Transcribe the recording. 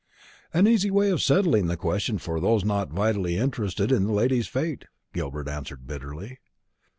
"An easy way of settling the question for those not vitally interested in the lady's fate," Gilbert answered bitterly.